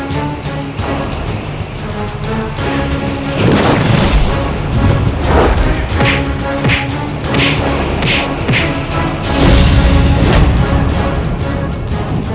rayi kenting manik